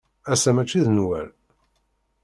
Ass-a maci d Newwal!